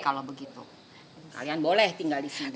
oke kalau begitu kalian boleh tinggal di sini